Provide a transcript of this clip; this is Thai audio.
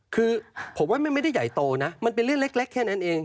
คือผมว่ามันไม่ได้ใหญ่โตนะมันเป็นเรื่องเล็กแค่นั้นเอง